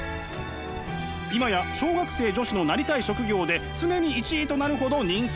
今や小学生女子のなりたい職業で常に１位となるほど人気のパティシエ。